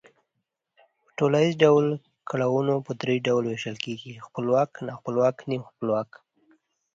په ټوليز ډول گړونه په درې ډلو وېشل کېږي، خپلواک، ناخپلواک، نیم خپلواک